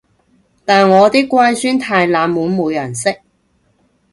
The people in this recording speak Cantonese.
但我啲乖孫太冷門冇人識